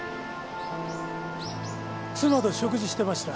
妻と食事してました。